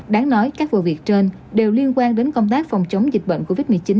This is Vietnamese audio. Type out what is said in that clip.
đáng nói các vụ việc trên đều liên quan đến công tác phòng chống dịch bệnh covid một mươi chín